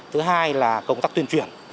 thứ hai là công tác tuyên truyền